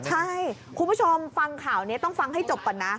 ใช่คุณผู้ชมฟังข่าวนี้ต้องฟังให้จบก่อนนะ